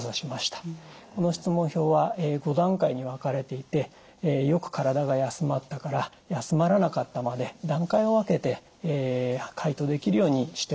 この質問票は５段階に分かれていて「よく体が休まった」から「休まらなかった」まで段階を分けて回答できるようにしております。